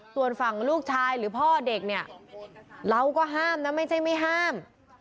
ส่วนฝั่งลูกชายหรือพ่อเด็กเนี่ยเราก็ห้ามนะไม่ใช่ไม่ห้าม